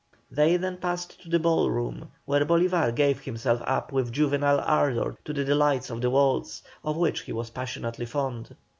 They then passed to the ball room, where Bolívar gave himself up with juvenile ardour to the delights of the waltz, of which he was passionately fond.